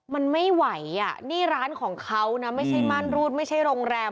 มันไม่ไหวอะร้านประของเค้าไม่ใช่มารุษไม่ใช่โรงแรม